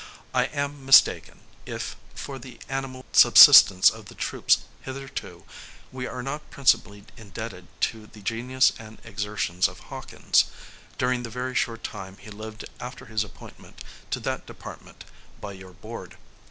I am mistaken, if, for the animal sub sistence of the troops hitherto, we are not principally indebted to the genius and exertions of Hawkins, during the very short time he lived after his appointment to that department, by your board.